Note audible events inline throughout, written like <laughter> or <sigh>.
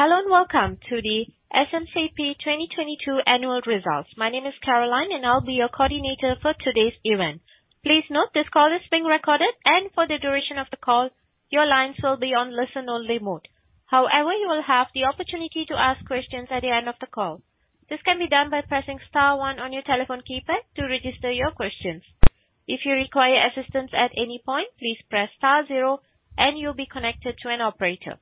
Hello, and welcome to the SMCP 2022 annual results. My name is Caroline, and I'll be your coordinator for today's event. Please note, this call is being recorded, and for the duration of the call, your lines will be on listen-only mode. However, you will have the opportunity to ask questions at the end of the call. This can be done by pressing star one on your telephone keypad to register your questions. If you require assistance at any point, please press star zero and you'll be connected to an operator.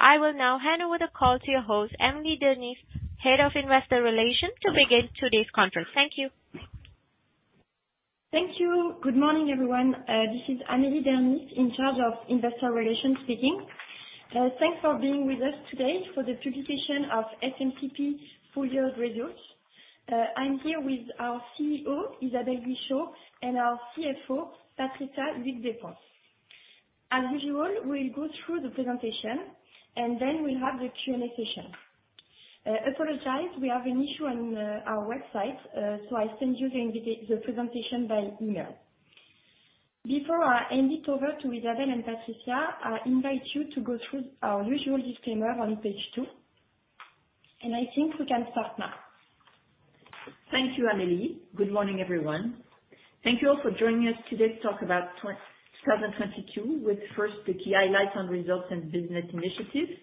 I will now hand over the call to your host, Amélie Dernis, Head of Investor Relations, to begin today's conference. Thank you. Thank you. Good morning, everyone. This is Amélie Dernis, in charge of Investor Relations, speaking. Thanks for being with us today for the publication of SMCP full-year results. I'm here with our CEO, Isabelle Guichot, and our CFO, Patricia Huyghues Despointes. As usual, we'll go through the presentation and then we'll have the Q&A session. Apologize, we have an issue on our website, I send you the presentation by email. Before I hand it over to Isabelle and Patricia, I invite you to go through our usual disclaimer on page two. I think we can start now. Thank you, Amélie. Good morning, everyone. Thank you all for joining us today to talk about 2022, with first the key highlights on results and business initiatives.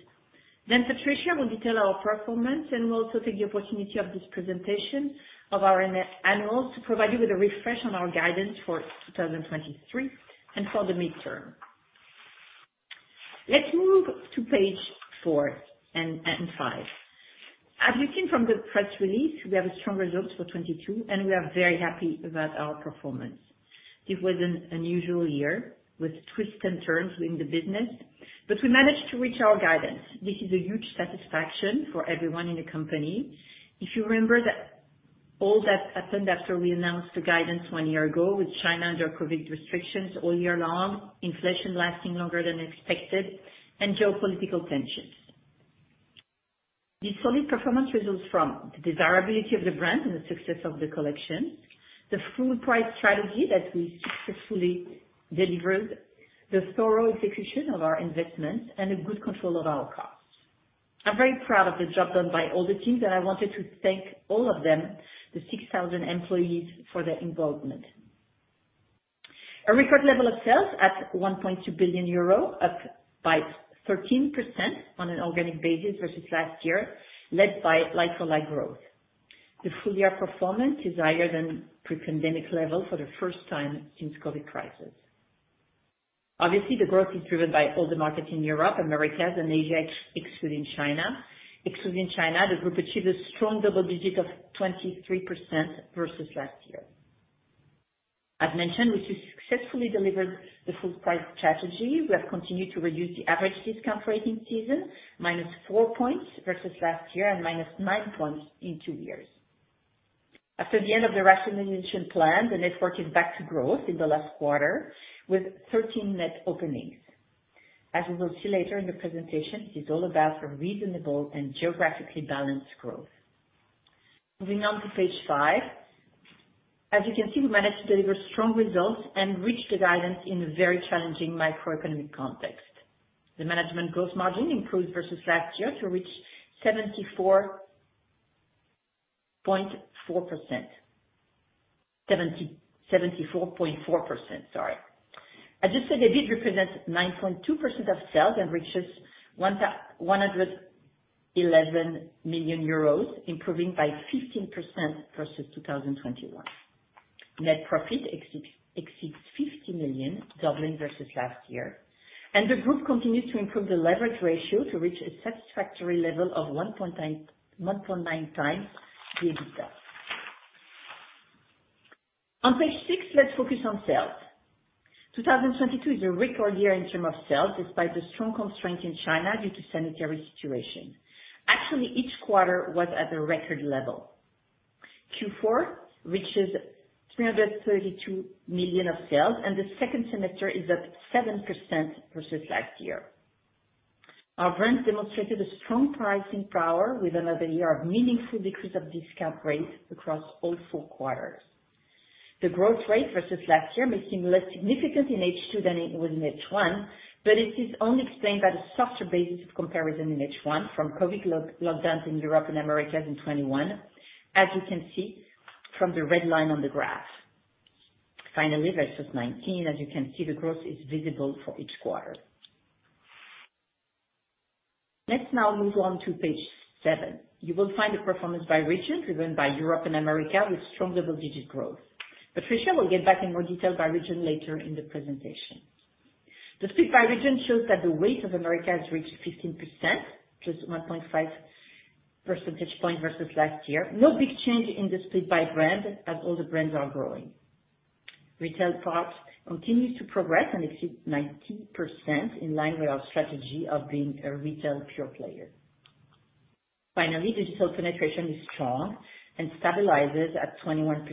Patricia will detail our performance, and we'll also take the opportunity of this presentation of our annual to provide you with a refresh on our guidance for 2023 and for the midterm. Let's move to page four and five. As you've seen from the press release, we have strong results for 2022, and we are very happy about our performance. It was an unusual year, with twists and turns within the business, but we managed to reach our guidance. This is a huge satisfaction for everyone in the company. If you remember that, all that happened after we announced the guidance one year ago, with China under COVID restrictions all year long, inflation lasting longer than expected, and geopolitical tensions. The solid performance results from the desirability of the brand and the success of the collection, the full price strategy that we successfully delivered, the thorough execution of our investments, and a good control of our costs. I'm very proud of the job done by all the teams, and I wanted to thank all of them, the 6,000 employees, for their involvement. A record level of sales at 1.2 billion euro, up by 13% on an organic basis versus last year, led by like-for-like growth. The full year performance is higher than pre-pandemic level for the first time since COVID crisis. The growth is driven by all the markets in Europe, Americas, and Asia, excluding China. Excluding China, the group achieved a strong double digit of 23% versus last year. As mentioned, we successfully delivered the full price strategy. We have continued to reduce the average discount rate in season, -4 points versus last year and -9 points in two years. After the end of the rationalization plan, the network is back to growth in the last quarter with 13 net openings. As you will see later in the presentation, it's all about a reasonable and geographically balanced growth. Moving on to page five. As you can see, we managed to deliver strong results and reach the guidance in a very challenging macroeconomic context. The management growth margin improved versus last year to reach 74.4%. 74.4%, sorry. Adjusted EBITDA represents 9.2% of sales and reaches 111 million euros, improving by 15% versus 2021. Net profit exceeds 50 million, doubling versus last year. The group continued to improve the leverage ratio to reach a satisfactory level of 1.9x the EBITDA. On page six, let's focus on sales. 2022 is a record year in term of sales, despite the strong constraint in China due to sanitary situation. Actually, each quarter was at a record level. Q4 reaches 332 million of sales, the second semester is up 7% versus last year. Our brands demonstrated a strong pricing power with another year of meaningful decrease of discount rate across all four quarters. The growth rate versus last year may seem less significant in H2 than it was in H1. It is only explained by the softer basis of comparison in H1 from COVID lockdowns in Europe and Americas in 2021, as you can see from the red line on the graph. Finally, versus 2019, as you can see, the growth is visible for each quarter. Let's now move on to page seven. You will find the performance by region, driven by Europe and Americas, with strong double-digit growth. Patricia will get back in more detail by region later in the presentation. The split by region shows that the weight of Americas reached 15%, plus 1.5 percentage point versus last year. No big change in the split by brand, as all the brands are growing. Retail part continues to progress and exceeds 90% in line with our strategy of being a retail pure player. Digital penetration is strong and stabilizes at 21%,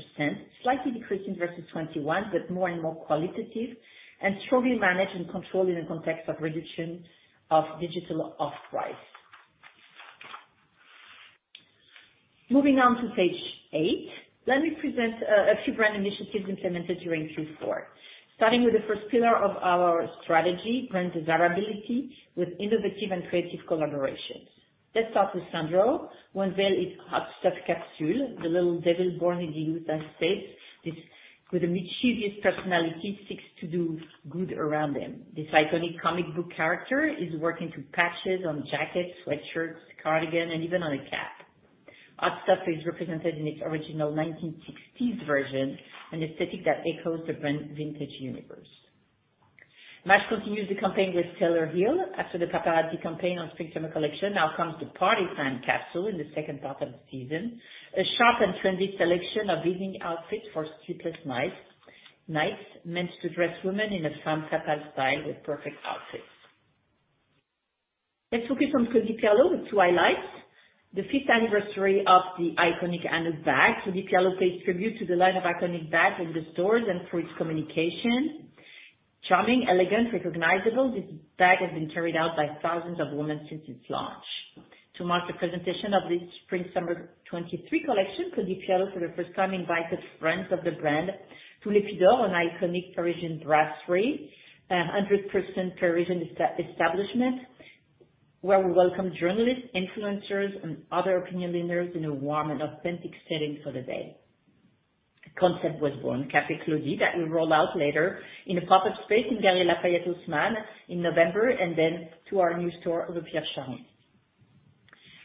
slightly decreasing versus 2021, but more and more qualitative and strongly managed and controlled in the context of reduction of digital off price. Moving on to page eight, let me present a few brand initiatives implemented during Q4, starting with the first pillar of our strategy, brand desirability with innovative and creative collaborations. Let's start with Sandro. One veil is Hot Stuff capsule, the little devil born in the U.S. This, with a mischievous personality, seeks to do good around them. This iconic comic book character is working through patches on jackets, sweatshirts, cardigan, and even on a cap. Hot Stuff is represented in its original 1960s version, an aesthetic that echoes different vintage universe. Maje continues the campaign with Taylor Hill. After the paparazzi campaign on spring/summer collection, now comes the party time capsule in the second part of the season. A sharp and trendy selection of evening outfits for sleepless nights meant to dress women in a sans-souci style with perfect outfits. Let's focus on Claudie Pierlot with key highlights. The fifth anniversary of the iconic Anouck bag. Claudie Pierlot pays tribute to the line of iconic bags in the stores and through its communication. Charming, elegant, recognizable, this bag has been carried out by thousands of women since its launch. To mark the presentation of the spring/summer 2023 collection, Claudie Pierlot for the first time invited friends of the brand to Les Fidèles, an iconic Parisian brasserie, an 100% Parisian establishment, where we welcome journalists, influencers, and other opinion leaders in a warm and authentic setting for the day. A concept was born, Café Claudie, that we roll out later in a pop-up space in Galeries Lafayette Haussmann in November and then to our new store, Rue Pierre Charron.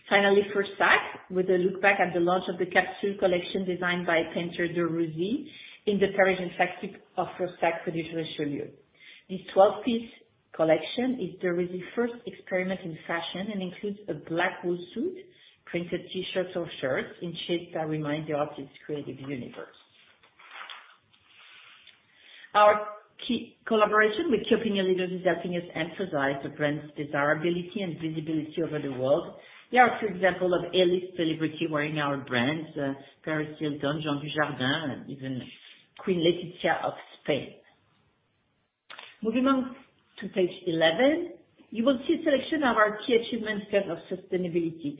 Fursac, with a look back at the launch of the capsule collection designed by painter De Rrusie in the Parisian factory of Fursac traditionally showed you. This 12-piece collection is De Rrusie first experiment in fashion, and includes a black wool suit, printed T-shirts or shirts in shapes that remind you of his creative universe. Our key collaboration with key opinion leaders is helping us emphasize the brand's desirability and visibility over the world. Here are a few example of A-list celebrity wearing our brands, Paris Hilton, Jean Dujardin, and even Queen Letizia of Spain. Moving on to page 11, you will see a selection of our key achievements in terms of sustainability.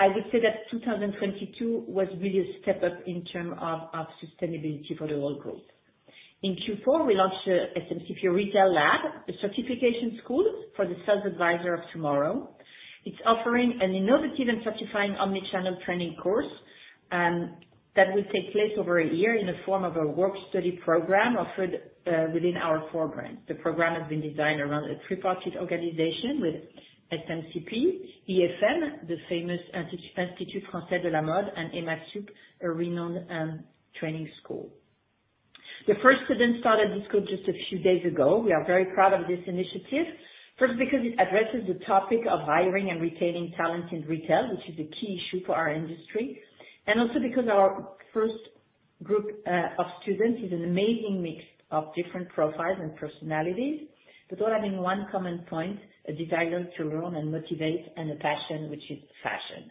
I would say that 2022 was really a step up in term of sustainability for the whole group. In Q4, we launched the SMCP Retail Lab, a certification school for the sales advisor of tomorrow. It's offering an innovative and certifying omni-channel training course that will take place over a year in the form of a work study program offered within our four brands. The program has been designed around a three-partied organization with SMCP, IFM, the famous Institut Français de la Mode, and EMA Sup, a renowned training school. The first students started this school just a few days ago. We are very proud of this initiative. First, because it addresses the topic of hiring and retaining talent in retail, which is a key issue for our industry, and also because our first group of students is an amazing mix of different profiles and personalities, but all having one common point, a desire to learn and motivate and a passion, which is fashion.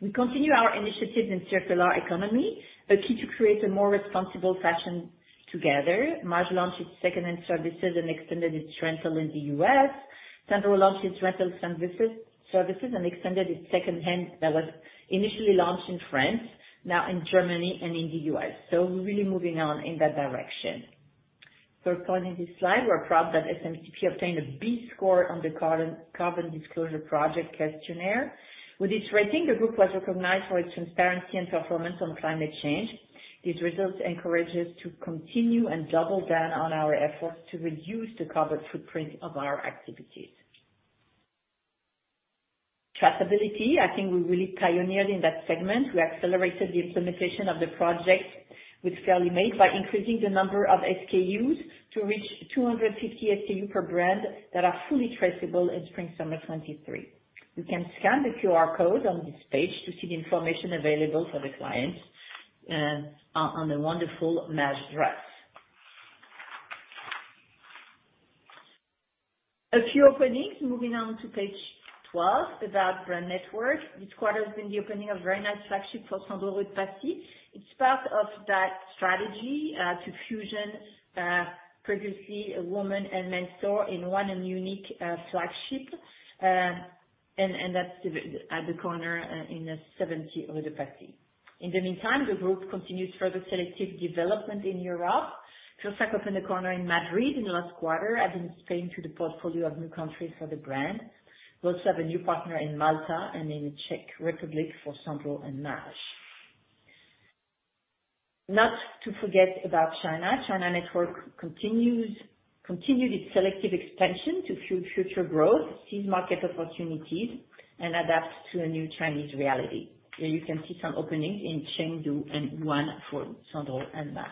We continue our initiatives in circular economy, a key to create a more responsible fashion together. Maje launched its second-hand services and extended its rental in the U.S. Sandro launched its rental services and extended its second-hand that was initially launched in France, now in Germany and in the U.S. We're really moving on in that direction. Third point in this slide, we're proud that SMCP obtained a B score on the Carbon Disclosure Project questionnaire. With this rating, the group was recognized for its transparency and performance on climate change. These results encourage us to continue and double down on our efforts to reduce the carbon footprint of our activities. Traceability, I think we really pioneered in that segment. We accelerated the implementation of the project with Fairly Made by increasing the number of SKUs to reach 250 SKU per brand that are fully traceable in spring/summer 2023. You can scan the QR code on this page to see the information available for the clients, on the wonderful Maje dress. A few openings, moving on to page 12 about brand network. This quarter has been the opening of very nice flagship for Sandro Rue de Passy. It's part of that strategy to fusion previously a woman and men store in one and unique flagship. That's at the corner in 70 Rue de Passy. In the meantime, the group continues further selective development in Europe. Sandro opened a corner in Madrid in the last quarter, adding Spain to the portfolio of new countries for the brand. We also have a new partner in Malta and in the Czech Republic for Sandro and Maje. Not to forget about China. China network continued its selective expansion to fuel future growth, seize market opportunities, and adapt to a new Chinese reality. Here you can see some opening in Chengdu and one for Sandro and Maje.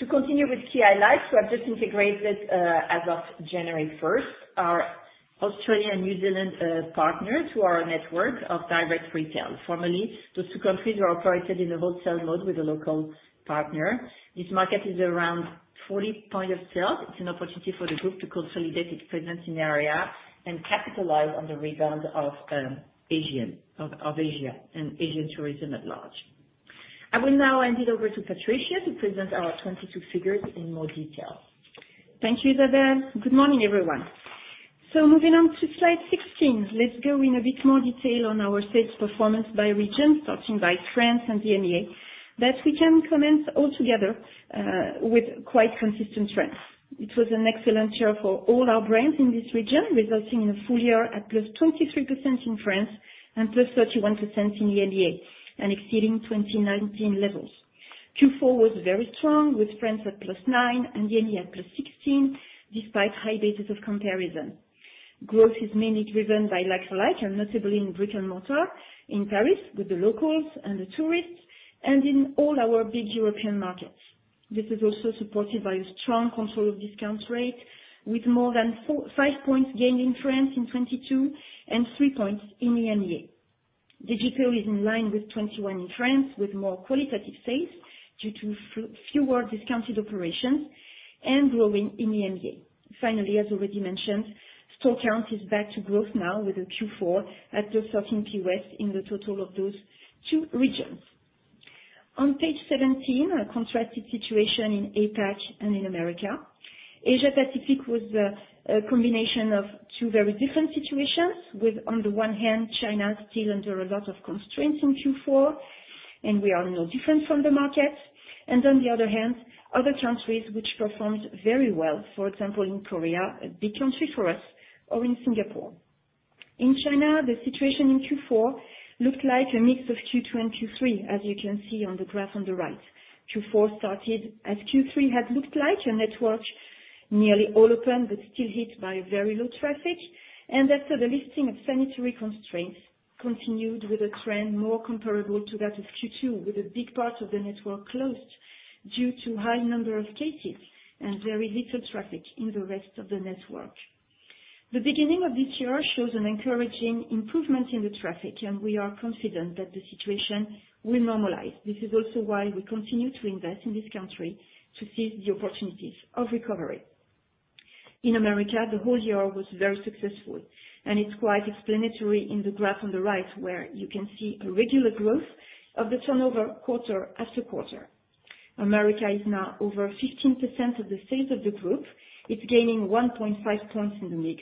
To continue with key highlights, we have just integrated, as of January 1st, our Australia and New Zealand partner to our network of direct retail. Formerly, those two countries were operated in a wholesale mode with a local partner. This market is around 40 point of sale. It's an opportunity for the group to consolidate its presence in the area and capitalize on the rebound of Asian, of Asia and Asian tourism at large. I will now hand it over to Patricia to present our 2022 figures in more detail. Thank you, Isabelle. Good morning, everyone. Moving on to slide 16, let's go in a bit more detail on our sales performance by region, starting by France and the MEA, that we can commence altogether with quite consistent trends. It was an excellent year for all our brands in this region, resulting in a full year at +23% in France and +31% in the MEA, and exceeding 2019 levels. Q4 was very strong, with France at +9 and MEA at +16, despite high bases of comparison. Growth is mainly driven by like-for-like, and notably in brick-and-mortar in Paris, with the locals and the tourists, and in all our big European markets. This is also supported by a strong control of discount rate, with more than five points gained in France in 2022, and three points in the MEA. Digital is in line with 2021 in France, with more qualitative sales due to fewer discounted operations and growing in the MEA. As already mentioned, store count is back to growth now with the Q4 at just off in POS in the total of those two regions. On page 17, a contrasted situation in APAC and in America. Asia Pacific was a combination of two very different situations with, on the one hand, China still under a lot of constraints in Q4, we are no different from the market. On the other hand, other countries which performed very well, for example, in Korea, a big country for us or in Singapore. In China, the situation in Q4 looked like a mix of Q2 and Q3, as you can see on the graph on the right. Q4 started as Q3 had looked like, a network nearly all open but still hit by very low traffic. After the lifting of sanitary constraints continued with a trend more comparable to that of Q2, with a big part of the network closed due to high number of cases and very little traffic in the rest of the network. The beginning of this year shows an encouraging improvement in the traffic, and we are confident that the situation will normalize. This is also why we continue to invest in this country to seize the opportunities of recovery. In America, the whole year was very successful, and it's quite explanatory in the graph on the right, where you can see a regular growth of the turnover quarter after quarter. America is now over 15% of the sales of the group. It's gaining 1.5 points in the mix.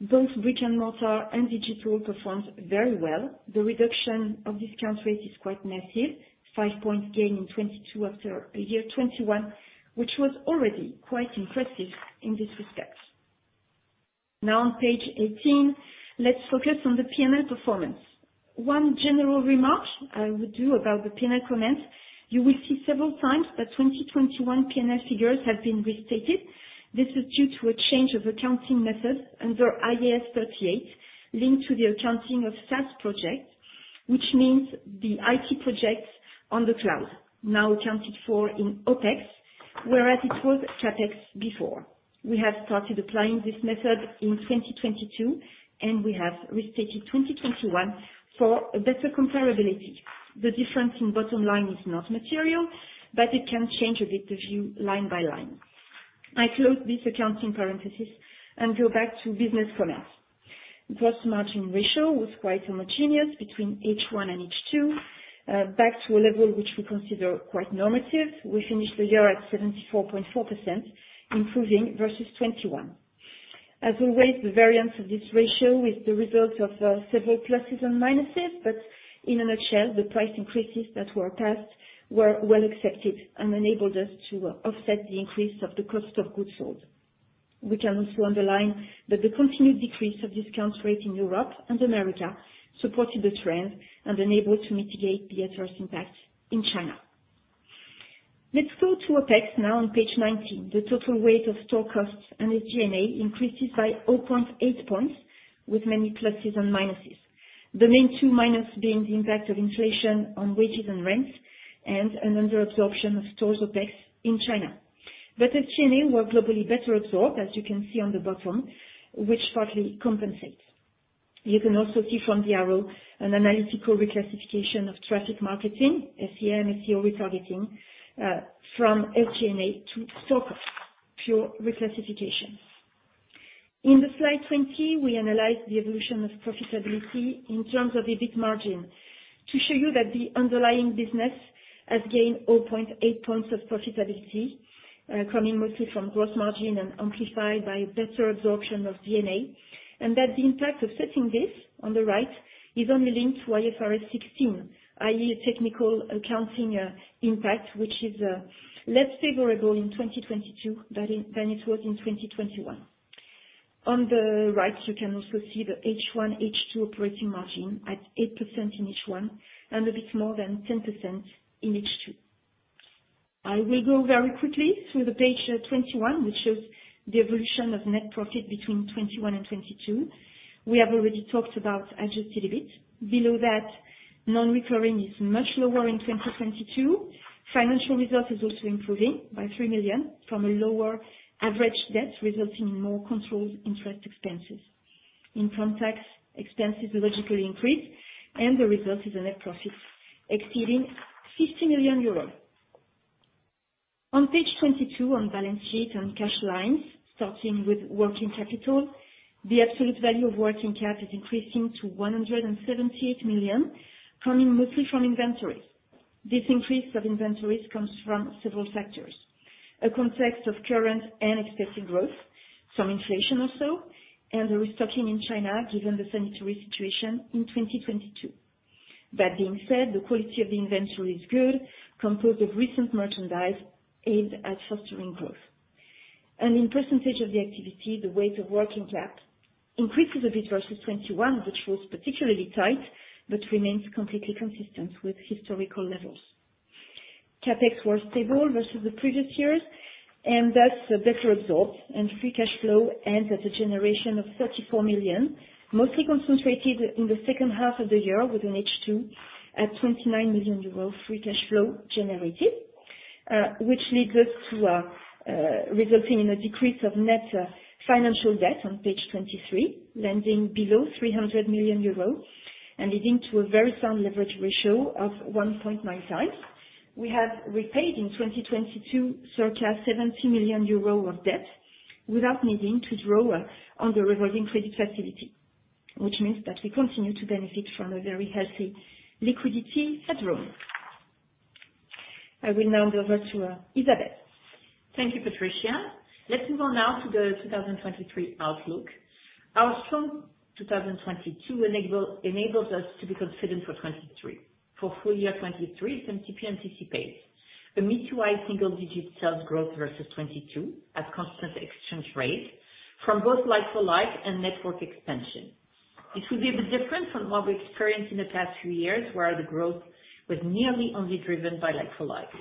Both brick-and-mortar and digital performed very well. The reduction of discount rate is quite massive. Five points gain in 2022 after a year 2021, which was already quite impressive in this respect. Now on page 18, let's focus on the P&L performance. One general remark I would do about the P&L comments, you will see several times the 2021 P&L figures have been restated. This is due to a change of accounting method under IAS 38, linked to the accounting of SaaS project, which means the IT projects on the cloud, now accounted for in OpEx, whereas it was CapEx before. We have started applying this method in 2022, and we have restated 2021 for a better comparability. The difference in bottom line is not material, but it can change a bit the view line by line. I close this accounting parenthesis and go back to business comments. Gross margin ratio was quite homogeneous between H1 and H2, back to a level which we consider quite normative. We finished the year at 74.4%, improving versus 2021. As always, the variance of this ratio is the result of several pluses and minuses, but in a nutshell, the price increases that were passed were well accepted and enabled us to offset the increase of the cost of goods sold. We can also underline that the continued decrease of discount rate in Europe and America supported the trend and enabled to mitigate the headwinds impact in China. Let's go to OpEx now on page 19. The total weight of store costs and the G&A increases by 0.8 points, with many pluses and minuses. The main two minus being the impact of inflation on wages and rents, and an under-absorption of stores OpEx in China. As G&A were globally better absorbed, as you can see on the bottom, which partly compensates. You can also see from the arrow an analytical reclassification of traffic marketing, SEM, SEO retargeting, from SG&A to stock pure reclassification. In the slide 20, we analyze the evolution of profitability in terms of EBIT margin to show you that the underlying business has gained 0.8 points of profitability, coming mostly from gross margin and amplified by better absorption of G&A. That the impact of setting this, on the right, is only linked to IFRS 16, i.e. technical accounting impact, which is less favorable in 2022 than it was in 2021. On the right, you can also see the H1/H2 operating margin at 8% in H1 and a bit more than 10% in H2. I will go very quickly through the page 21, which shows the evolution of net profit between 2021 and 2022. We have already talked about adjusted EBIT. Below that, non-recurring is much lower in 2022. Financial results is also improving by 3 million from a lower average debt, resulting in more controlled interest expenses. Income tax expenses logically increase, and the result is a net profit exceeding 50 million euros. On page 22, on balance sheet and cash lines, starting with working capital, the absolute value of working cap is increasing to 178 million, coming mostly from inventories. This increase of inventories comes from several factors, a context of current and expected growth, some inflation also, and the restocking in China, given the sanitary situation in 2022. That being said, the quality of the inventory is good, composed of recent merchandise, aimed at fostering growth. In percentage of the activity, the weight of working cap increases a bit versus 2021, which was particularly tight, but remains completely consistent with historical levels. CapEx were stable versus the previous years, and thus a better result, and free cash flow ends at a generation of 34 million, mostly concentrated in the second half of the year, within H2, at 29 million euro free cash flow generated, which leads us to resulting in a decrease of net financial debt on page 23, landing below 300 million euros and leading to a very sound leverage ratio of 1.9x. We have repaid in 2022, circa 70 million euro of debt, without needing to draw on the revolving credit facility, which means that we continue to benefit from a very healthy liquidity headroom. I will now hand over to Isabelle. Thank you, Patricia. Let's move on now to the 2023 outlook. Our strong 2022 enables us to be confident for 2023. For full year 2023, SMCP anticipates a mid-to-high single-digit sales growth versus 2022 at constant exchange rate from both like-for-like and network expansion. It will be a bit different from what we experienced in the past few years, where the growth was nearly only driven by like-for-like.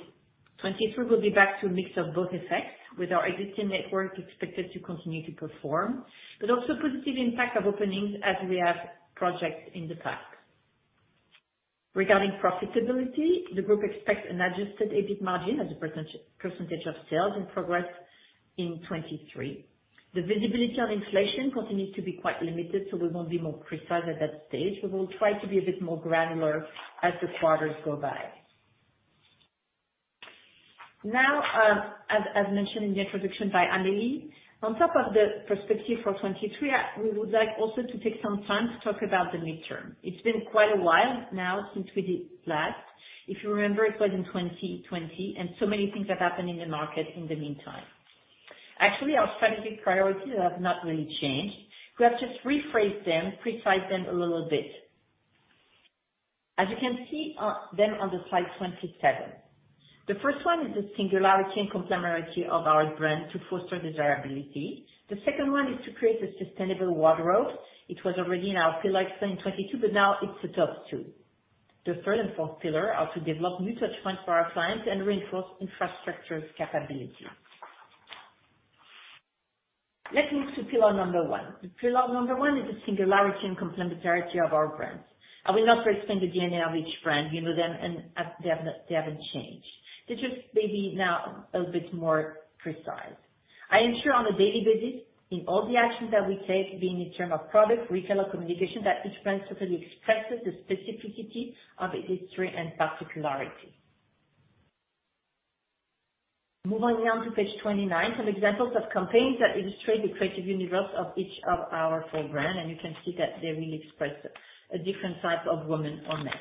2023 will be back to a mix of both effects with our existing network expected to continue to perform, but also positive impact of openings as we have projects in the pipe. Regarding profitability, the group expects an adjusted EBIT margin as a percentage of sales in progress in 2023. The visibility on inflation continues to be quite limited, we won't be more precise at that stage. We will try to be a bit more granular as the quarters go by. As mentioned in the introduction by Amélie, on top of the perspective for 2023, we would like also to take some time to talk about the midterm. It's been quite a while now since we did that. If you remember, it was in 2020, and so many things have happened in the market in the meantime. Actually, our strategic priorities have not really changed. We have just rephrased them, precise them a little bit. As you can see them on the slide 27, the first one is the singularity and complementarity of our brand to foster desirability. The second one is to create a sustainable wardrobe. It was already in our pillar in 2022, but now it's a top two. The third and fourth pillar are to develop new touch points for our clients and reinforce infrastructures capability. Let's move to pillar number one. Pillar number one is the singularity and complementarity of our brands. I will not explain the DNA of each brand. You know them, and they haven't changed. They're just maybe now a bit more precise. I ensure on a daily basis in all the actions that we take, being in term of product, retailer communication, that each brand totally expresses the specificity of its history and particularity. Moving on to page 29, some examples of campaigns that illustrate the creative universe of each of our four brand, and you can see that they really express a different type of woman or man.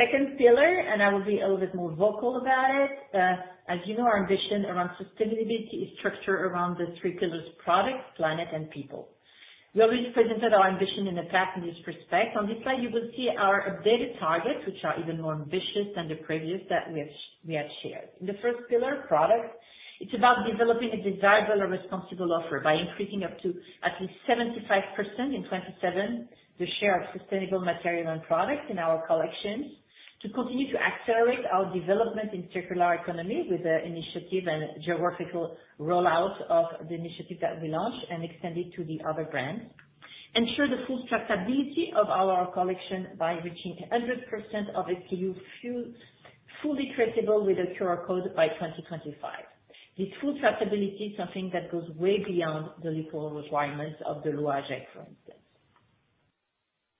Second pillar, and I will be a little bit more vocal about it. As you know, our ambition around sustainability is structured around the three pillars: product, planet, and people. We already presented our ambition in the past in this respect. On this slide, you will see our updated targets, which are even more ambitious than the previous that we had shared. The first pillar, product, it's about developing a desirable and responsible offer by increasing up to at least 75% in 2027, the share of sustainable material and products in our collections to continue to accelerate our development in circular economy with the initiative and geographical rollout of the initiative that we launched and extend it to the other brands. Ensure the full traceability of our collection by reaching 100% of SKU fully traceable with a QR code by 2025. This full traceability is something that goes way beyond the legal requirements of the law, for instance.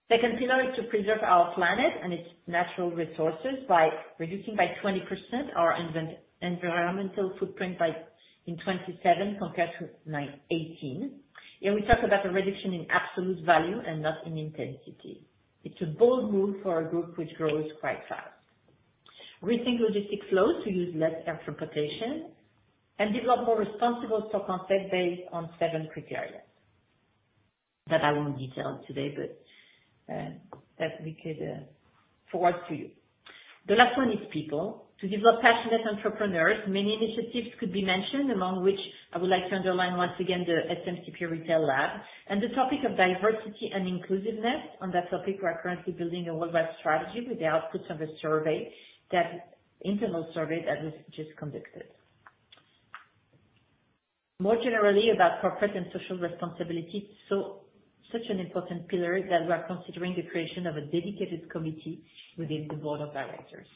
Second pillar is to preserve our planet and its natural resources by reducing by 20% our environmental footprint by, in 2027 compared to 2018. Here we talk about a reduction in absolute value and not in intensity. It's a bold move for a group which grows quite fast. Rethink logistics flows to use less air transportation and develop more responsible stock concept based on seven criteria that I won't detail today, but that we could forward to you. The last one is people. To develop passionate entrepreneurs, many initiatives could be mentioned, among which I would like to underline once again the SMCP Retail Lab and the topic of diversity and inclusiveness. On that topic, we are currently building a worldwide strategy with the outputs of a survey that, internal survey that was just conducted. Such an important pillar that we are considering the creation of a dedicated committee within the board of directors.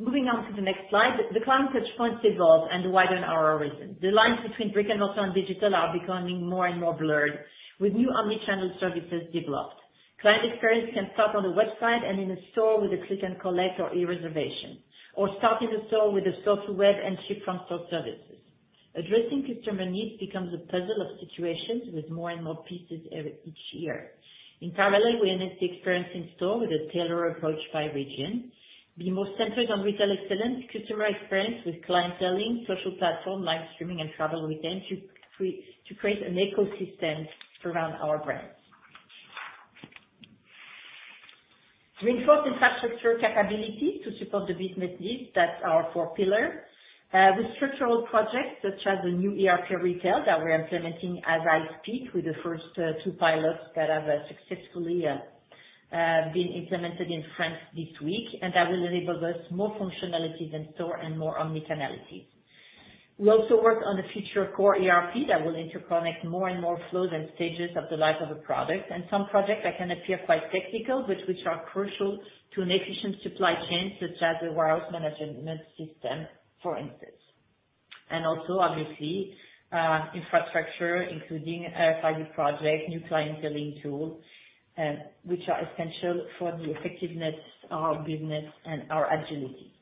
Moving on to the next slide. The client touchpoints evolve and widen our horizon. The lines between brick-and-mortar and digital are becoming more and more blurred with new omnichannel services developed. Client experience can start on the website and in a store with a click and collect or e-reservation, or start in the store with a store to web and ship from store services. Addressing customer needs becomes a puzzle of situations with more and more pieces each year. In parallel, we enhance the experience in store with a tailored approach by region, be more centered on retail excellence, customer experience with clienteling, social platform, live streaming and travel retail to create an ecosystem around our brands. To reinforce infrastructure capabilities to support the business needs, that's our fourth pillar. With structural projects such as the new ERP retail that we're implementing as I speak with the first two pilots that have successfully been implemented in France this week, and that will enable us more functionality than store and more omni-channel. We also worked on the future core ERP that will interconnect more and more flows and stages of the life of a product, and some projects that can appear quite technical, but which are crucial to an efficient supply chain, such as the warehouse management system, for instance. Also obviously, infrastructure including 5G project, new clienteling tools, which are essential for the effectiveness of business and our agility.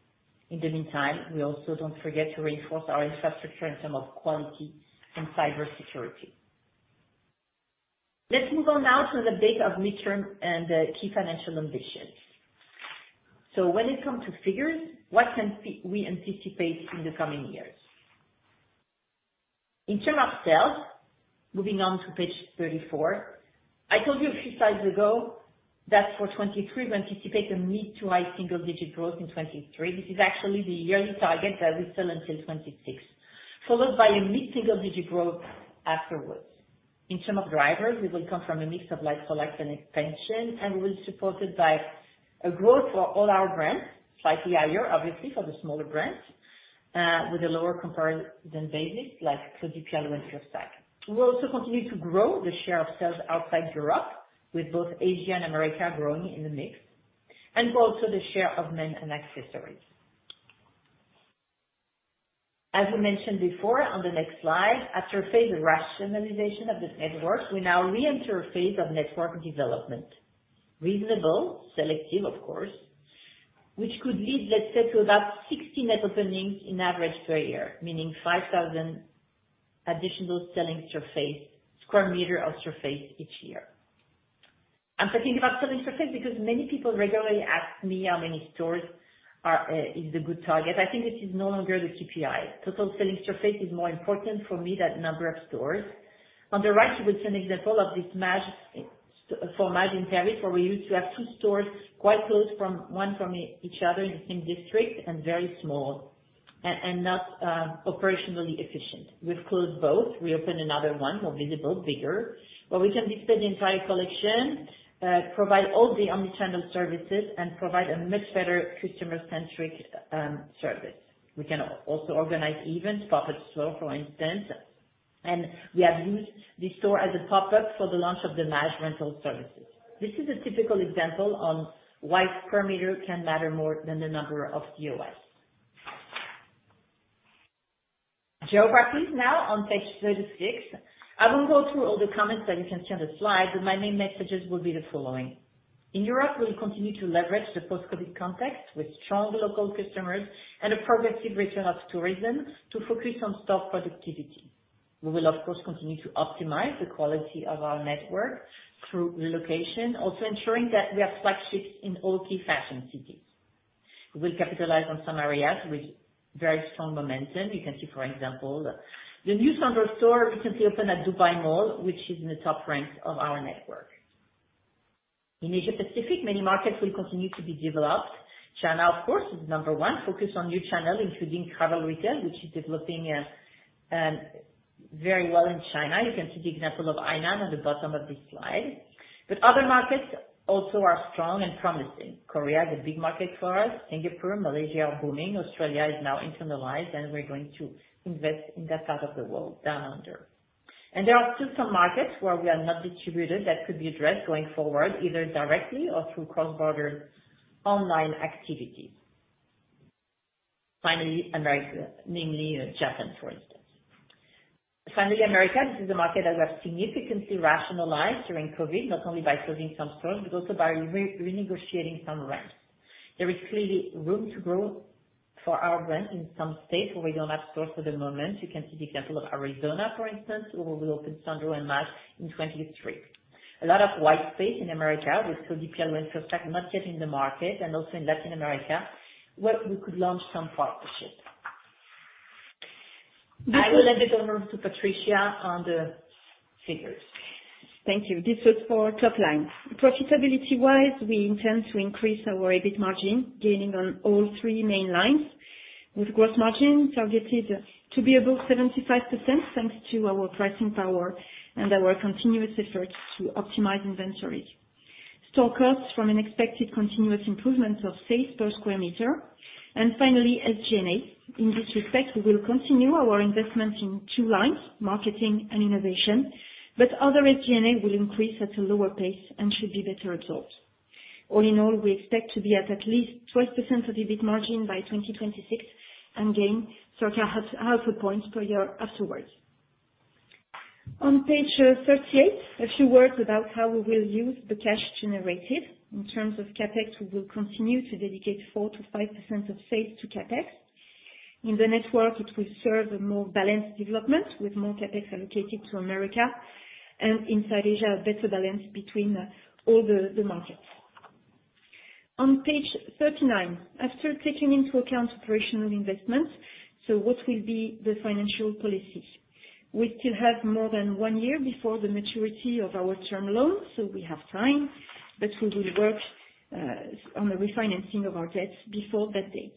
In the meantime, we also don't forget to reinforce our infrastructure in terms of quality and cybersecurity. Let's move on now to the bit of midterm and the key financial ambitions. When it comes to figures, what can we anticipate in the coming years? In terms of sales, moving on to page 34, I told you a few slides ago that for 2023, we anticipate a mid-to-high single digit growth in 2023. This is actually the yearly target that we sell until 2026, followed by a mid-single digit growth afterwards. In term of drivers, we will come from a mix of light select and expansion, and we're supported by a growth for all our brands, slightly higher, obviously for the smaller brands, with a lower comparison than basics like Claudie Pierlot and De Fursac. We'll also continue to grow the share of sales outside Europe with both Asia and America growing in the mix, and for also the share of men and accessories. As we mentioned before on the next slide, after phase of rationalization of this network, we now re-enter phase of network development. Reasonable, selective of course, which could lead, let's say to about 60 net openings in average per year, meaning 5,000 additional selling surface, square meter of surface each year. I'm talking about selling surface because many people regularly ask me how many stores are, is a good target. I think this is no longer the KPI. Total selling surface is more important for me than number of stores. On the right you will see an example of this Maje in Paris, where we used to have two stores quite close from each other in the same district, and very small and not operationally efficient. We've closed both. We opened another one, more visible, bigger, where we can display the entire collection, provide all the omni-channel services and provide a much better customer-centric service. We can also organize events, pop-up store, for instance, and we have used the store as a pop-up for the launch of the Maje rental services. This is a typical example on why square meter can matter more than the number of POS. Geographies now on page 36. I won't go through all the comments that you can see on the slide. My main messages will be the following. In Europe, we'll continue to leverage the post-COVID context with strong local customers and a progressive return of tourism to focus on stock productivity. We will, of course, continue to optimize the quality of our network through relocation, also ensuring that we have flagships in all key fashion cities. We'll capitalize on some areas with very strong momentum. You can see for example, the new Sandro store recently opened at Dubai Mall, which is in the top rank of our network. In Asia Pacific, many markets will continue to be developed. China, of course, is number one, focused on new channel including travel retail, which is developing very well in China. You can see the example of [item] on the bottom of this slide. Other markets also are strong and promising. Korea is a big market for us. Singapore, Malaysia are booming. Australia is now internalized. We're going to invest in that part of the world down under. There are still some markets where we are not distributed that could be addressed going forward, either directly or through cross-border online activity. Finally, America, namely, Japan, for instance. Finally, America, this is a market that we have significantly rationalized during COVID, not only by closing some stores, but also by renegotiating some rents. There is clearly room to grow for our brand in some states where we don't have stores for the moment. You can see the example of Arizona, for instance, where we open Sandro and Maje in 2023. A lot of white space in America with Claudie Pierlot and De Fursac not yet in the market, and also in Latin America, where we could launch some partnerships. This. <crosstalk> I will hand it over to Patricia on the figures. Thank you. This was for top line. Profitability-wise, we intend to increase our EBIT margin, gaining on all three main lines with gross margin targeted to be above 75%, thanks to our pricing power and our continuous efforts to optimize inventory. Stock costs from an expected continuous improvement of sales per square meter. Finally, SG&A. In this respect, we will continue our investments in two lines, marketing and innovation, but other SG&A will increase at a lower pace and should be better absorbed. All in all, we expect to be at least 12% of EBIT margin by 2026 and gain circa half a point per year afterwards. On page 38, a few words about how we will use the cash generated. In terms of CapEx, we will continue to dedicate 4%-5% of sales to CapEx. In the network, it will serve a more balanced development, with more CapEx allocated to America, and in South Asia, a better balance between all the markets. On page 39, after taking into account operational investments, what will be the financial policy? We still have more than one year before the maturity of our term loan, we have time. We will work on the refinancing of our debts before that date.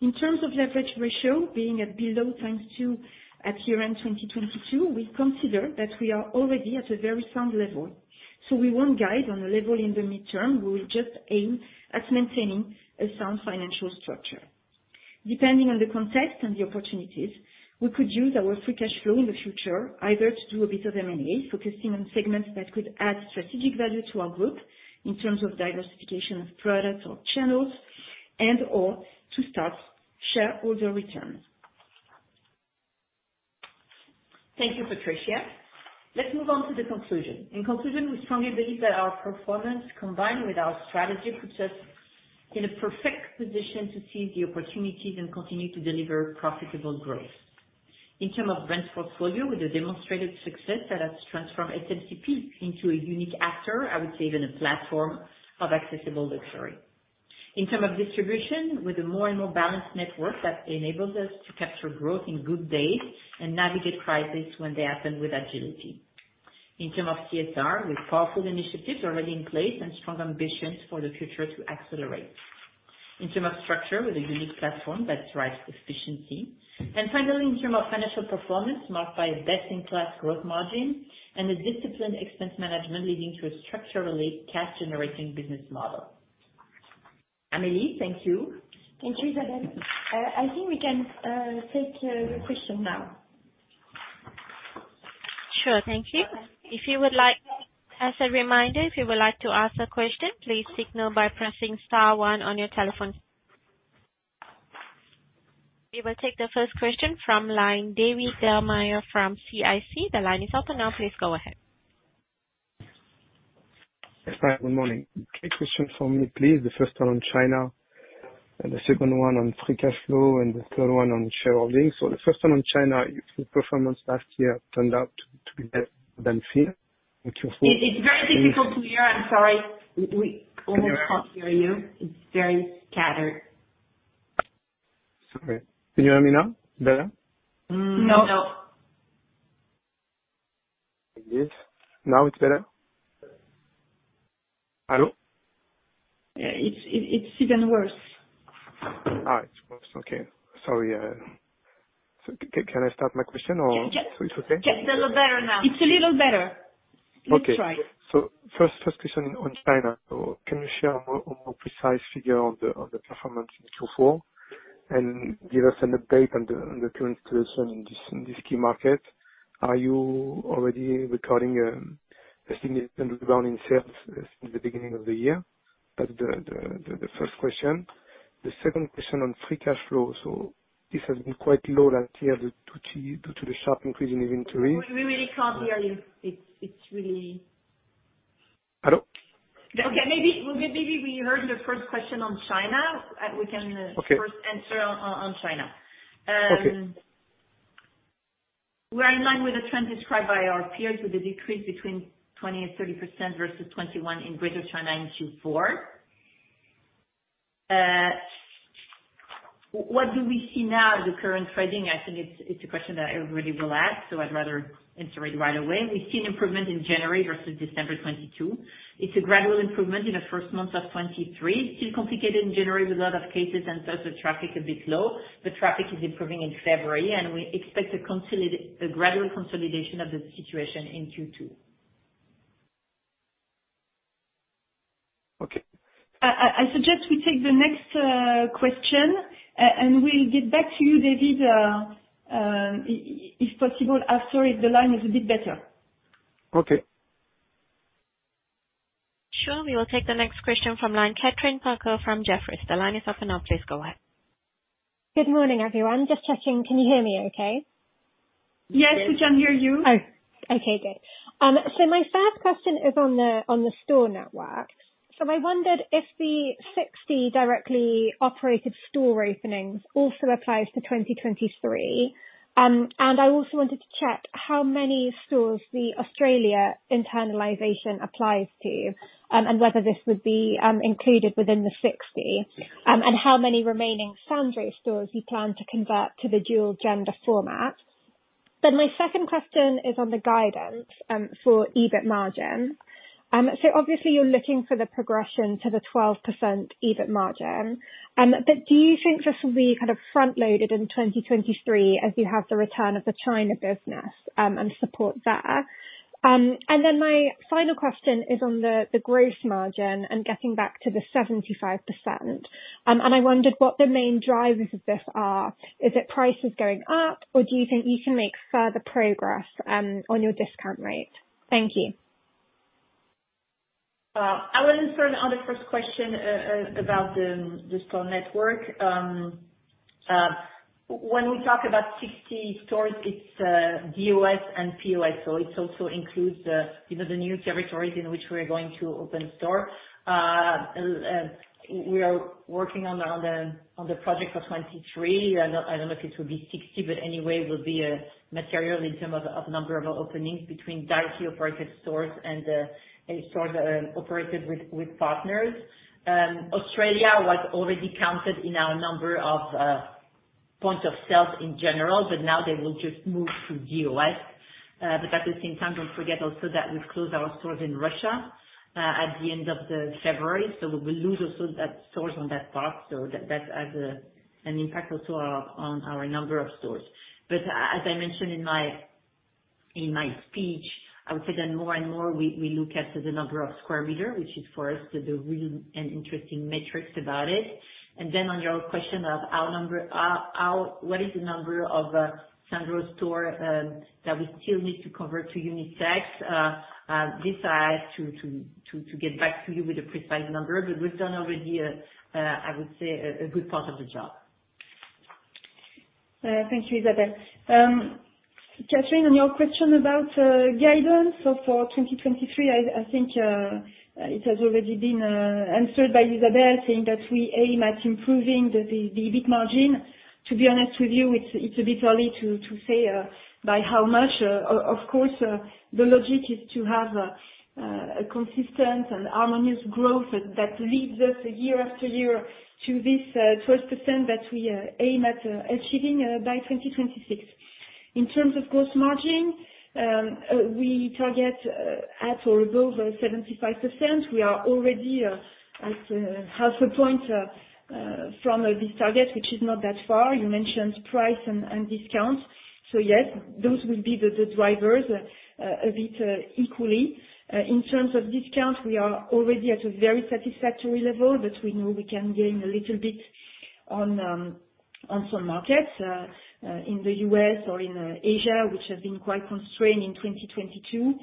In terms of leverage ratio, being at below 2x at year-end 2022, we consider that we are already at a very sound level. We won't guide on the level in the midterm. We will just aim at maintaining a sound financial structure. Depending on the context and the opportunities, we could use our free cash flow in the future either to do a bit of M&A, focusing on segments that could add strategic value to our group in terms of diversification of products or channels, and/or to start shareholder returns. Thank you, Patricia. Let's move on to the conclusion. In conclusion, we strongly believe that our performance combined with our strategy puts us in a perfect position to seize the opportunities and continue to deliver profitable growth. In term of brand portfolio, with a demonstrated success that has transformed SMCP into a unique actor, I would say even a platform of accessible luxury. In term of distribution, with a more and more balanced network that enables us to capture growth in good days and navigate crisis when they happen with agility. In term of CSR, with powerful initiatives already in place and strong ambitions for the future to accelerate. In term of structure, with a unique platform that drives efficiency. Finally, in term of financial performance, marked by a best-in-class growth margin and a disciplined expense management leading to a structurally cash-generating business model. Amélie, thank you. Thank you, Isabelle. I think we can take your question now. Sure. Thank you. As a reminder, if you would like to ask a question, please signal by pressing star one on your telephone. We will take the first question from line David Da Maia from CIC. The line is open now. Please go ahead. Yes. Hi, good morning. Quick question for me, please. The first one on China and the second one on free cash flow and the third one on shareholding. The first one on China, its performance last year turned out to be better than. <audio distortion> It's very difficult to hear. I'm sorry. We almost can't hear you. It's very scattered. Sorry. Can you hear me now better? No. No. Yes. Now it's better? Hello? Yeah. It's even worse. It's worse. Okay. Sorry, can I start my question or? Yeah. It's okay? It's a little better now. It's a little better. Okay. Let's try. First question on China. Can you share a more precise figure on the performance in Q4 and give us an update on the current situation in this key market? Are you already recording a significant rebound in sales since the beginning of the year? That's the first question. The second question on free cash flow. This has been quite low last year due to the sharp increase in inventory. We really can't hear you. Hello? Okay. Maybe we heard the first question on China. Okay. First answer on China. Okay. We are in line with the trend described by our peers, with a decrease between 20% and 30% versus 2021 in Greater China in Q4. What do we see now in the current trading? I think it's a question that everybody will ask, so I'd rather answer it right away. We've seen improvement in January versus December 2022. It's a gradual improvement in the first month of 2023. Still complicated in January with a lot of cases and thus the traffic a bit low. The traffic is improving in February, and we expect a gradual consolidation of the situation in Q2. Okay. I suggest we take the next question, and we'll get back to you, David, if possible, after if the line is a bit better. Okay. Sure. We will take the next question from line Kathryn Parker from Jefferies. The line is open now. Please go ahead. Good morning, everyone. Just checking. Can you hear me okay? Yes, we can hear you. Okay, good. My first question is on the store network. I wondered if the 60 directly operated store openings also applies to 2023. I also wanted to check how many stores the Australia internalization applies to, and whether this would be included within the 60, and how many remaining Sandro stores you plan to convert to the dual-gender format. My second question is on the guidance for EBIT margin. Obviously, you're looking for the progression to the 12% EBIT margin, do you think this will be kind of front-loaded in 2023 as you have the return of the China business, and support there? My final question is on the gross margin and getting back to the 75%. I wondered what the main drivers of this are. Is it prices going up, or do you think you can make further progress on your discount rate? Thank you. I will answer on the first question about the store network. When we talk about 60 stores, it's DOS and POS, so it also includes the, you know, the new territories in which we are going to open a store. We are working on the project for 2023. I don't know if it will be 60, but anyway, it will be a material in term of number of openings between directly operated stores and a store operated with partners. Australia was already counted in our number of point of sales in general, but now they will just move to DOS. At the same time, don't forget also that we've closed our stores in Russia at the end of February. We will lose also that stores on that part, so that has an impact also on our number of stores. As I mentioned in my speech, I would say that more and more we look at the number of square meter, which is for us the real and interesting metrics about it. On your question of our number, what is the number of Sandro store that we still need to convert to unisex, I'll decide to get back to you with a precise number, but we've done already I would say a good part of the job. Thank you, Isabelle. Kathryn, on your question about guidance for 2023, I think it has already been answered by Isabelle saying that we aim at improving the EBIT margin. To be honest with you, it's a bit early to say by how much. Of course, the logic is to have a consistent and harmonious growth that leads us year after year to this 12% that we aim at achieving by 2026. In terms of gross margin, we target at or above 75%. We are already at half a point from this target, which is not that far. You mentioned price and discount. Yes, those will be the drivers a bit equally. In terms of discount, we are already at a very satisfactory level, but we know we can gain a little bit on some markets in the U.S. or in Asia, which have been quite constrained in 2022,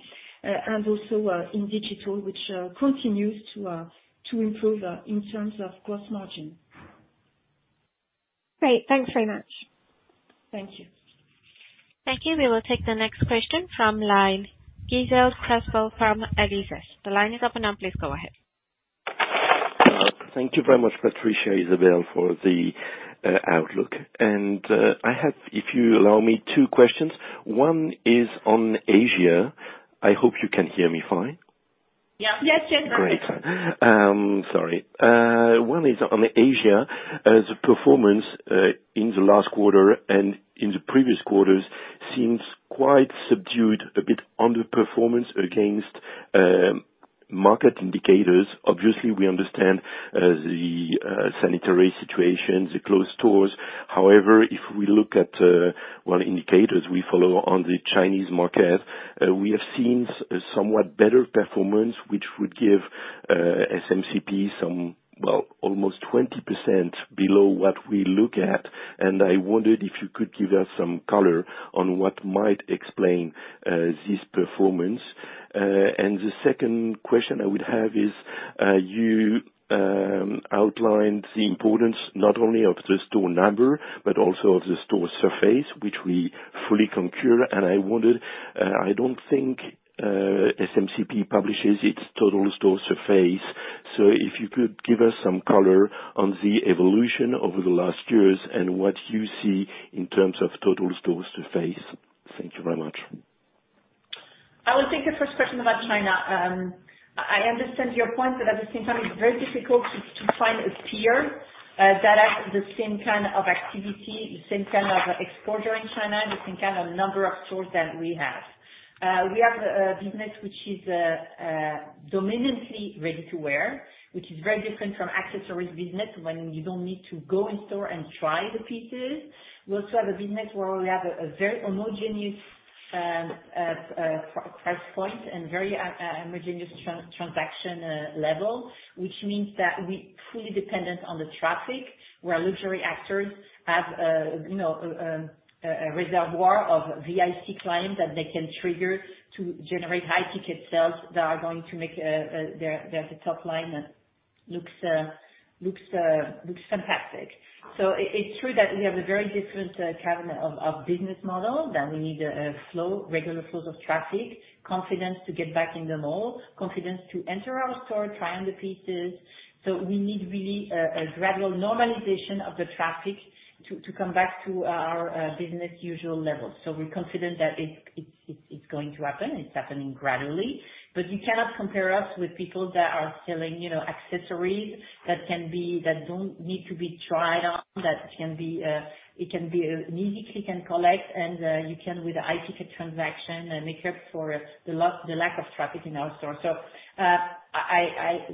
and also in digital, which continues to improve in terms of gross margin. Great. Thanks very much. Thank you. Thank you. We will take the next question from line, Gilles Crespel from Alizés. The line is open now, please go ahead. Thank you very much, Patricia, Isabelle, for the outlook. I have, if you allow me, two questions, one is on Asia. I hope you can hear me fine. Yeah. Yes. Yes. Great. One is on Asia. Performance in the last quarter and in the previous quarters seems quite subdued, a bit underperformance against market indicators. Obviously, we understand the sanitary situation, the closed stores. If we look at what indicators we follow on the Chinese market, we have seen somewhat better performance, which would give SMCP some, well, almost 20% below what we look at. I wondered if you could give us some color on what might explain this performance. The second question I would have is, you outlined the importance not only of the store number, but also of the store surface, which we fully concur. I wondered, I don't think SMCP publishes its total store surface. If you could give us some color on the evolution over the last years and what you see in terms of total stores surface. Thank you very much. I would take the first question about China. I understand your point. At the same time, it's very difficult to find a peer that has the same kind of activity, the same kind of exposure in China, the same kind of number of stores that we have. We have a business which is dominantly ready-to-wear, which is very different from accessories business when you don't need to go in store and try the pieces. We also have a business where we have a very homogeneous price point and very homogeneous transaction level, which means that we're truly dependent on the traffic, where luxury actors have, you know, a reservoir of VIC clients that they can trigger to generate high-ticket sales that are going to make their the top line looks fantastic. It's true that we have a very different kind of business model that we need a regular flow of traffic, confidence to get back in the mall, confidence to enter our store, try on the pieces. We need really a gradual normalization of the traffic to come back to our business usual level. We're confident that it's going to happen. It's happening gradually. You cannot compare us with people that are selling, you know, accessories that can be, that don't need to be tried on, that can be, it can be immediately click and collect, and you can with a high-ticket transaction, make up for the lack of traffic in our store.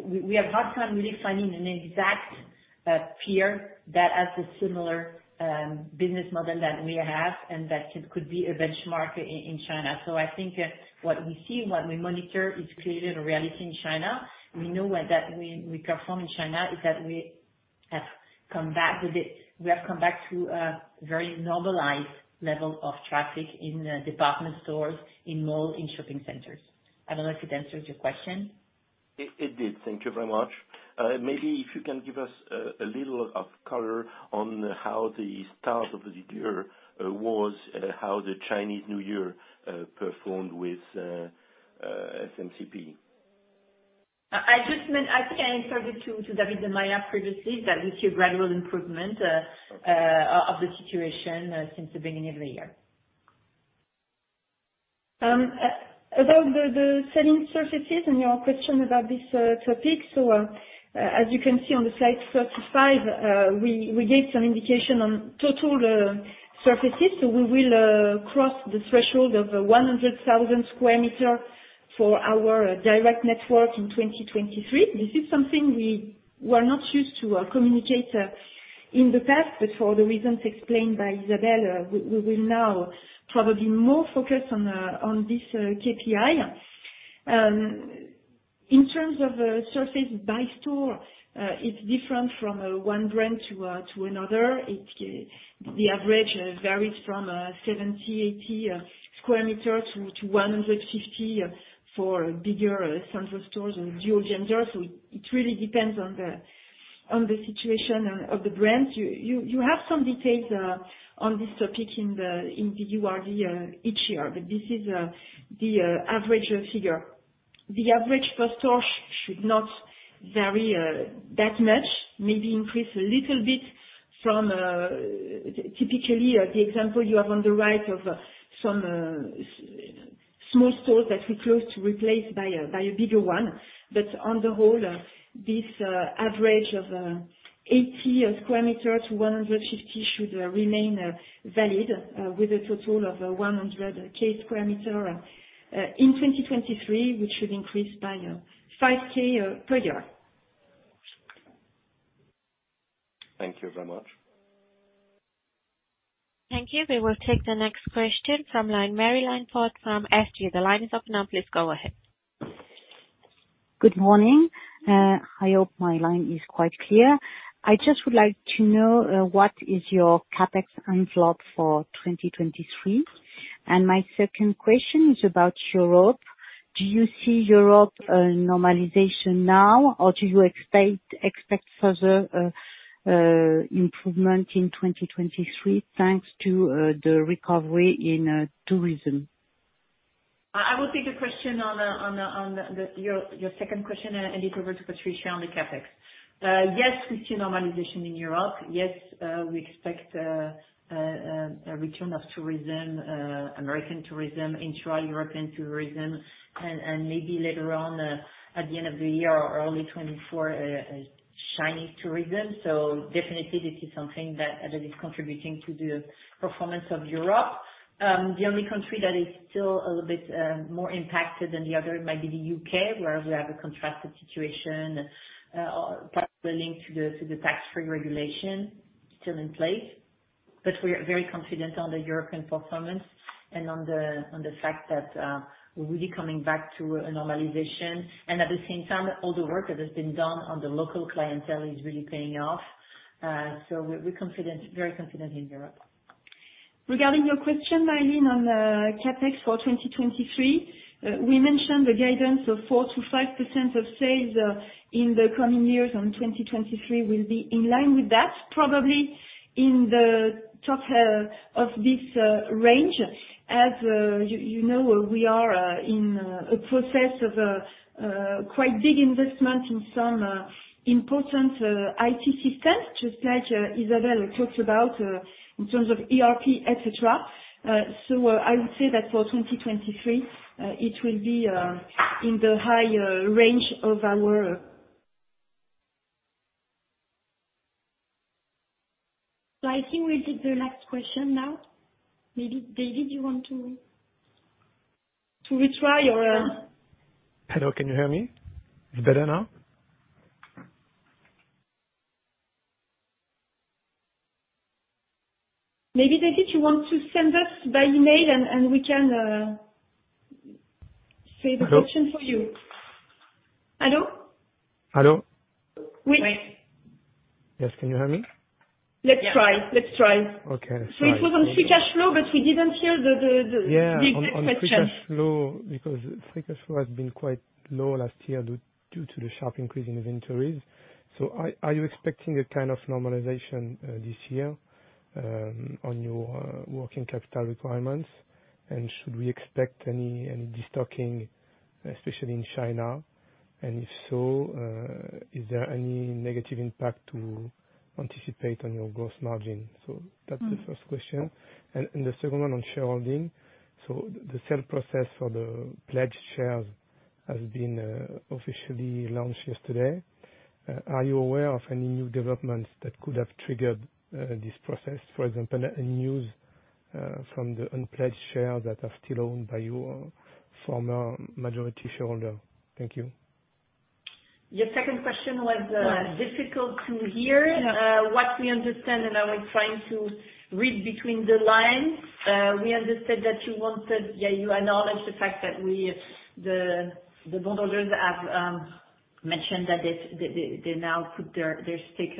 We have hard time really finding an exact peer that has a similar business model that we have and that can, could be a benchmark in China. I think what we see, what we monitor is clearly the reality in China. We know when that we perform in China is that we have come back with it. We have come back to a very normalized level of traffic in department stores, in mall, in shopping centers. I don't know if it answers your question. It did. Thank you very much. Maybe if you can give us a little of color on how the start of the year was, how the Chinese New Year performed with SMCP? I just meant, I think I answered it to David in my app previously, that we see a gradual improvement. Okay Of the situation, since the beginning of the year. About the selling surfaces and your question about this topic. As you can see on the slide 35, we gave some indication on total surfaces. We will cross the threshold of 100,000 square meter for our direct network in 2023. This is something we were not used to communicate in the past, but for the reasons explained by Isabelle, we will now probably more focus on this KPI. In terms of surface by store, it's different from one brand to another. It's the average varies from 70, 80 square meter-150 square meter for bigger central stores or dual gender. It really depends on the situation of the brand. You have some details on this topic in the URD each year. This is the average figure. The average per store should not vary that much, maybe increase a little bit from typically the example you have on the right of some small stores that we closed to replace by a bigger one. On the whole, this average of 80 square meter-150 square meter should remain valid with a total of 100K square meter in 2023, which should increase by 5K per year. Thank you very much. Thank you. We will take the next question from line, Marie-Line Fort from SG. The line is open now. Please go ahead. Good morning. I hope my line is quite clear. I just would like to know what is your CapEx envelope for 2023. My second question is about Europe. Do you see Europe normalization now? Do you expect further improvement in 2023, thanks to the recovery in tourism? I will take the question on your second question, and I'll leave it to Patricia on the CapEx. Yes, we see normalization in Europe. Yes, we expect a return of tourism, American tourism, intra-European tourism, and maybe later on, at the end of the year or early 2024, Chinese tourism. Definitely this is something that is contributing to the performance of Europe. The only country that is still a bit more impacted than the other might be the U.K., where we have a contrasted situation, partly linked to the tax-free regulation still in place. We are very confident on the European performance and on the fact that we're really coming back to a normalization. At the same time, all the work that has been done on the local clientele is really paying off. We're confident, very confident in Europe. Regarding your question, Marie-line, on CapEx for 2023, we mentioned the guidance of 4%-5% of sales in the coming years, and 2023 will be in line with that, probably in the top of this range. As you know, we are in a process of quite big investment in some important IT systems, just like Isabelle talked about in terms of ERP, et cetera. I would say that for 2023, it will be in the high range of our. I think we'll take the last question now. Maybe David, you want to retry or? Hello, can you hear me? It's better now? Maybe, David, you want to send us by email and we can say the question for you. Hello? Hello? Hello? We. Yes, can you hear me? Let's try. Yeah. Let's try. Okay. Let's try. It was on free cash flow, but we didn't hear the exact question. Yeah. On free cash flow, because free cash flow has been quite low last year due to the sharp increase in inventories. Are you expecting a kind of normalization this year on your working capital requirements? Should we expect any de-stocking, especially in China? If so, is there any negative impact to anticipate on your gross margin? That's the first question. Mm. The second one on shareholding. The sale process for the pledged shares has been officially launched yesterday. Are you aware of any new developments that could have triggered this process? For example, any news from the unpledged shares that are still owned by your former majority shareholder? Thank you. Your second question was <crosstalk> difficult to hear. We understand and are trying to read between the lines. We understood that you acknowledge the fact that we, the bondholders have mentioned that they now put their stake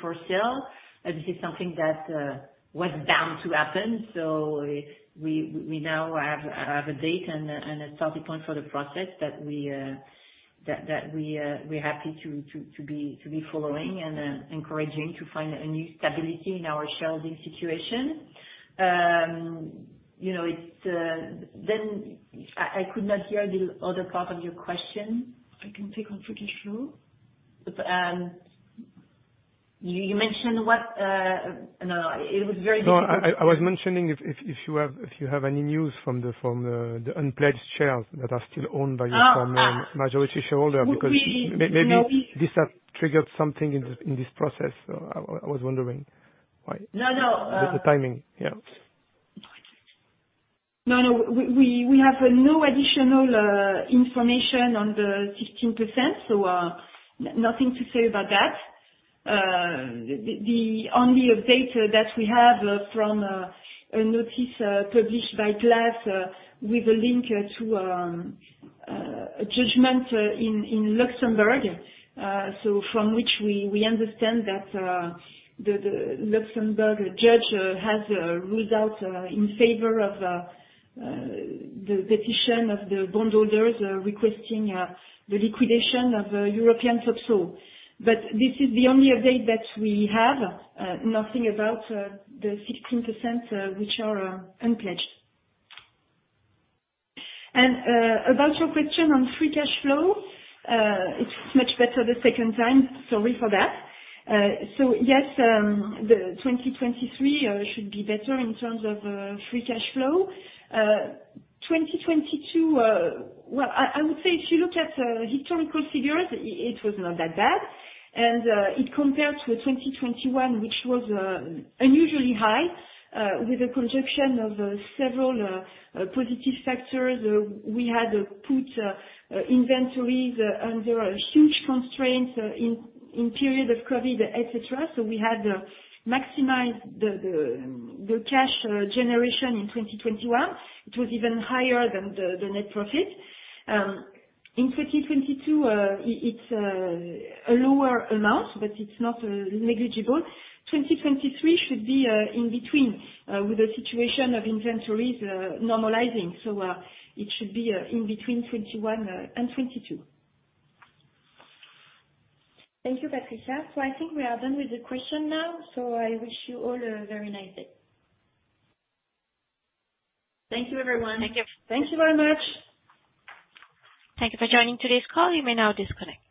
for sale. This is something that was bound to happen. We now have a date and a starting point for the process that we are happy to be following and encouraging to find a new stability in our shareholding situation. You know, I could not hear the other part of your question. I can take on free cash flow. You mentioned what. It was very difficult. No, I was mentioning if you have any news from the unpledged shares that are still owned by your former majority shareholder. Would we. <crosstalk> Maybe this has triggered something in this process. I was wondering why? No, no. The timing, yeah. We have no additional information on the 16%, nothing to say about that. The only update that we have from a notice published by GLAS with a link to a judgment in Luxembourg, from which we understand that the Luxembourg judge has ruled out in favor of the petition of the bondholders requesting the liquidation of European TopSoho. This is the only update that we have, nothing about the 16%, which are unpledged. About your question on free cash flow, it's much better the second time. Sorry for that. Yes, the 2023 should be better in terms of free cash flow. 2022, I would say if you look at the historical figures, it was not that bad. It compared to 2021, which was unusually high with the conjunction of several positive factors. We had put inventories and there are huge constraints in period of COVID et cetera. We had maximized the cash generation in 2021. It was even higher than the net profit. In 2022, it's a lower amount, but it's not negligible. 2023 should be in between with the situation of inventories normalizing. It should be in between 2021 and 2022. Thank you, Patricia. I think we are done with the question now. I wish you all a very nice day. Thank you everyone. Thank you. Thank you very much. Thank you for joining today's call. You may now disconnect.